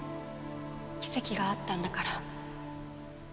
奇跡があったんだから。